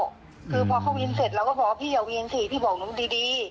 คือพอเขาวินเสร็จเราก็บอกว่าพี่อย่าวินสิพี่บอกหนูดี